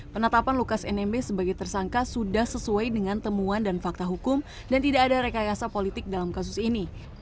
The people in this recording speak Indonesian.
penetapan lukas nmb sebagai tersangka sudah sesuai dengan temuan dan fakta hukum dan tidak ada rekayasa politik dalam kasus ini